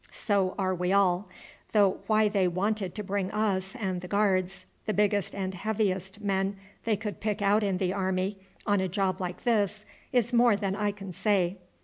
So are we all; though why they wanted to bring us and the Guards the biggest and heaviest men they could pick out in the army on a job like this, is more than I can say."